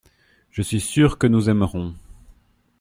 Je suis sûr que nous aimerons.